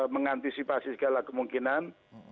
mengantisipasi segala kemungkinan